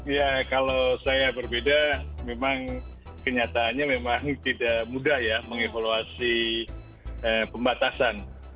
ya kalau saya berbeda memang kenyataannya memang tidak mudah ya mengevaluasi pembatasan